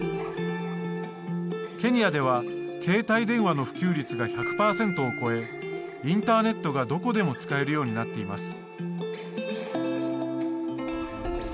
ケニアでは携帯電話の普及率が１００％を超えインターネットがどこでも使えるようになっています。